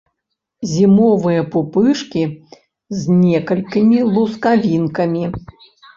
Зімовыя пупышкі з некалькімі лускавінкамі.